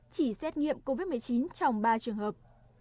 chỉ xét nghiệm covid một mươi chín trong ba trường hợp